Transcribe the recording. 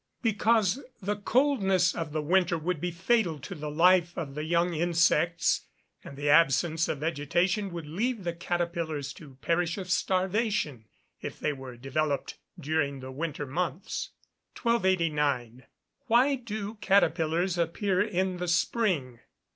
_ Because the coldness of the winter would be fatal to the life of the young insects; and the absence of vegetation would leave the caterpillars to perish of starvation, if they were developed during the winter months. [Illustration: Fig. 76. CATERPILLAR FEEDING.] 1289. _Why do caterpillars appear in the spring?